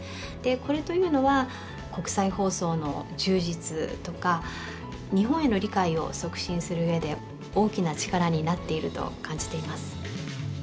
これというのは国際放送の充実とか日本への理解を促進するうえで大きな力になっていると感じています。